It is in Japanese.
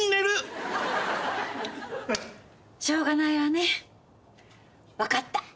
しょうがないわね。分かった。